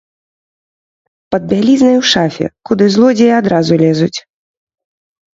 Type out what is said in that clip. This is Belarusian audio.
Пад бялізнай у шафе, куды злодзеі адразу лезуць.